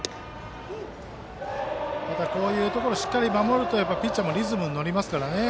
ただ、こういうところでしっかり守るとピッチャーもリズムに乗りますからね。